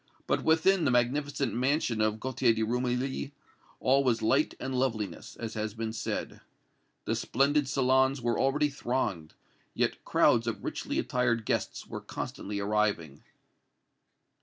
But within the magnificent mansion of Gaultier de Rumilly all was light and loveliness, as has been said. The splendid salons were already thronged, yet crowds of richly attired guests were constantly arriving.